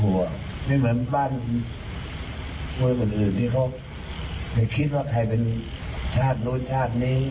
อวิทยาศาสตร์ดรอัลถิ่นแนวตอนต่อมา